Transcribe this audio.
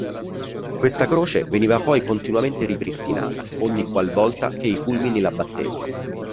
Questa croce veniva poi continuamente ripristinata ogni qualvolta che i fulmini l’abbattevano.